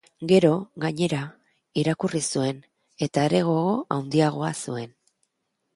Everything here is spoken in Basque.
Gero, gainera, irakurri zuen, eta are gogo handiagoa zuen.